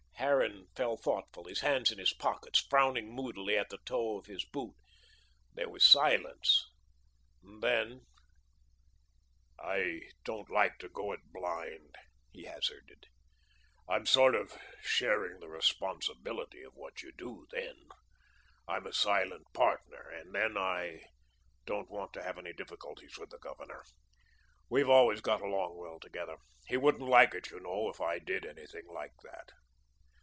Harran fell thoughtful, his hands in his pockets, frowning moodily at the toe of his boot. There was a silence. Then: "I don't like to go it blind," he hazarded. "I'm sort of sharing the responsibility of what you do, then. I'm a silent partner. And, then I don't want to have any difficulties with the Governor. We've always got along well together. He wouldn't like it, you know, if I did anything like that."